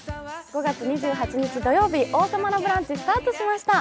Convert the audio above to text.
５月２８日土曜日、「王様のブランチ」スタートしました。